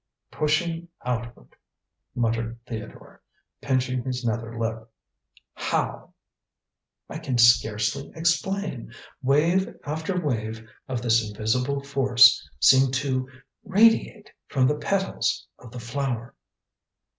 "Pushing outward!" muttered Theodore, pinching his nether lip. "How?" "I can scarcely explain. Wave after wave of this invisible force seemed to radiate from the petals of the flower."